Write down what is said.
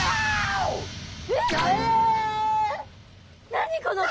何この子！？